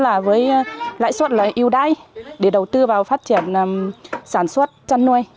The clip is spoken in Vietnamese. sản xuất là yêu đáy để đầu tư vào phát triển sản xuất chân nuôi